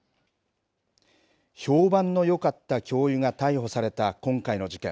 評判のよかった教諭が逮捕された今回の事件。